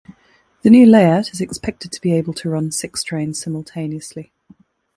The new layout is expected to be able to run six trains simultaneously.